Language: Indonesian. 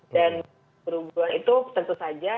dan keterburu buruan itu tentu saja